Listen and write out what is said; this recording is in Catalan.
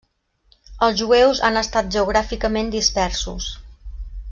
Els jueus han estat geogràficament dispersos.